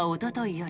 夜